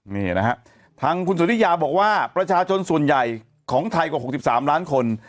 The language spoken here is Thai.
นี่นะฮะทางคุณสุนิยาบอกว่าประชาชนส่วนใหญ่ของไทยกว่า๖๓ล้านคน